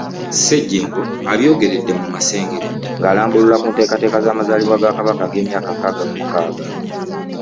Ssejjengo abyogeredde mu Masengere ng’alambulula ku nteekateeka z’amazaalibwa ga Kabaka ag’emyaka nkaaga mu mukaaga